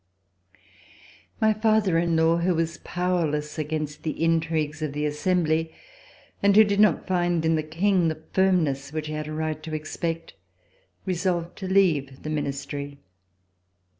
My father in law, who was powerless against the intrigues of the Assembly, and who did not find in the King the firmness which he had the right to ex pect, resolved to leave the Ministry.